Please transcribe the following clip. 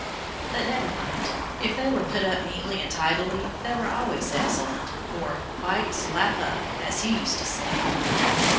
But, never mind, if they were put up neatly and tidily they were always "excellent," or "quite slap up" as he used to say.